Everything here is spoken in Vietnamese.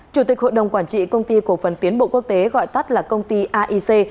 chủ tịch hội đồng quản trị công ty cổ phần tiến bộ quốc tế gọi tắt là công ty aic